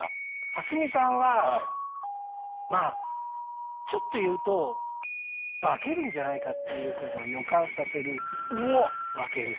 蓮見さんはまあちょっと言うと化けるんじゃないかっていうことを予感させるわけですよ。